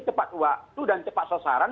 cepat waktu dan cepat sasaran